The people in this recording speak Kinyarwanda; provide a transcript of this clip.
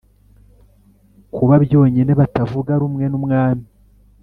kuba byonyine batavuga rumwe numwami